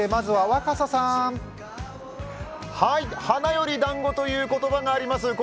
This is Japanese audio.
花よりだんごという言葉があります。